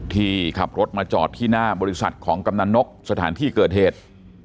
ที่ขับรถมาจอดที่หน้าบริษัทของกำนันนกสถานที่เกิดเหตุ